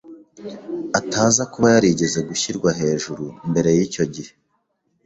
ataza kuba yarigeze gushyirwa hejuru mbere y’icyo gihe.